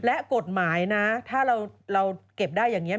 และกฎหมายนะถ้าเราเก็บได้อย่างนี้